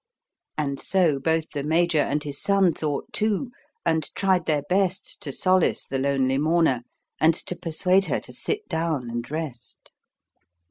And so both the Major and his son thought too, and tried their best to solace the lonely mourner and to persuade her to sit down and rest.